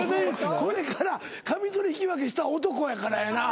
これからカミソリ引き分けした男やからやな。